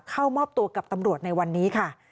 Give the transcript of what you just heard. เข้ามอบตัวกับตำรวจในวันนี้ค่ะ